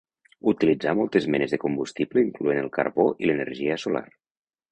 Utilitzà moltes menes de combustible incloent el carbó i l'energia solar.